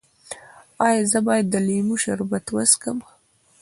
ایا زه باید د لیمو شربت وڅښم؟